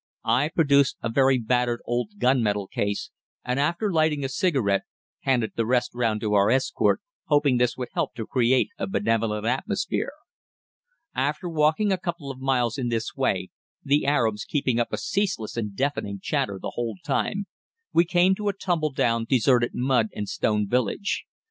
I produced a very battered old gun metal case, and after lighting a cigarette handed the rest round to our escort, hoping this would help to create a benevolent atmosphere. After walking a couple of miles in this way, the Arabs keeping up a ceaseless and deafening chatter the whole time, we came to a tumbledown deserted mud and stone village.